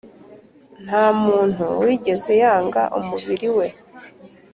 nta muntu wigeze yanga umubiri we